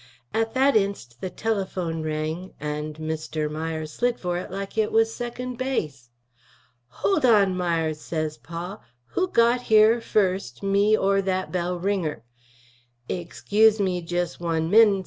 at that inst. the telaphone wrang & mr. Mires slidd for it like it was 2nd base. Hold on Mires says Pa, who got here 1st, me or that bell wringer. Igscuse me just 1 min.